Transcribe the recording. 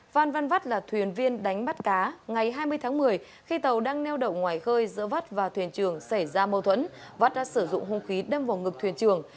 phan văn vắt là thuyền viên đánh bắt cá ngày hai mươi tháng một mươi khi tàu đang neo đậu ngoài khơi giữa vắt và thuyền trường xảy ra mâu thuẫn vắt đã sử dụng hung khí đâm vào ngực thuyền trường